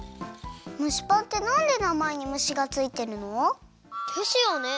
むしパンってなんでなまえに「むし」がついてるの？ですよね。